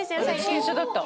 自転車だった。